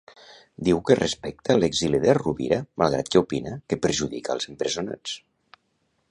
Diu que respecta l'exili de Rovira malgrat que opina que perjudica els empresonats.